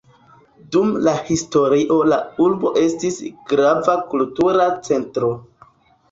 Dum la historio la urbo estis grava kultura centro.